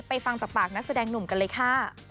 ฟังจากปากนักแสดงหนุ่มกันเลยค่ะ